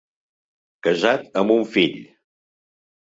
Casat amb un fill.